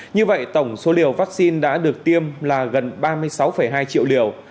như vậy tổng số liều vaccine đã được tiêm là gần ba mươi sáu hai triệu liều